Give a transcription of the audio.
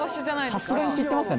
さすがに知ってますよね？